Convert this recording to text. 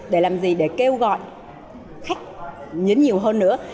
để làm gì để kêu gọi khách nhấn nhiều hơn nữa